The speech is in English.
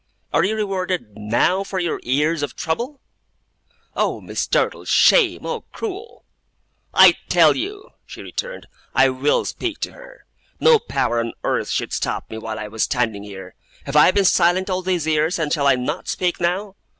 Are you rewarded, now, for your years of trouble?' 'Oh, Miss Dartle, shame! Oh cruel!' 'I tell you,' she returned, 'I WILL speak to her. No power on earth should stop me, while I was standing here! Have I been silent all these years, and shall I not speak now?